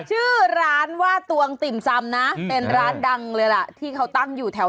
ชื่อร้านว่าตวงติ่มซำนะเป็นร้านดังเลยล่ะที่เขาตั้งอยู่แถว